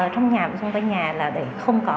trong nhà cũng xung quanh nhà là để không có